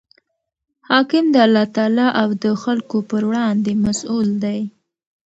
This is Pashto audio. حاکم د الله تعالی او د خلکو پر وړاندي مسئوله دئ.